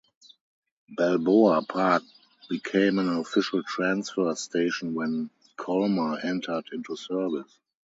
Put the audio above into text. Balboa Park became an official transfer station when Colma entered into service.